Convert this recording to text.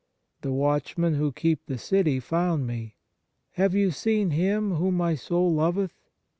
The watchmen, who keep the city, found me : Have you seen Him whom my soul loveth